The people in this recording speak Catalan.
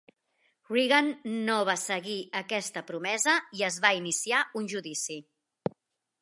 Reagan no va seguir aquesta promesa i es va iniciar un judici.